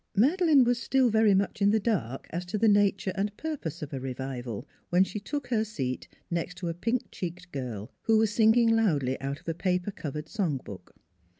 Madeleine was still very much in the dark as to the nature and purpose of a " revival," when she took her seat next to a pink cheeked girl who was singing loudly out of a paper covered song book.